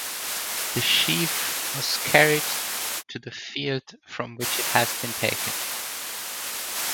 The sheaf was carried to the field from which it had been taken.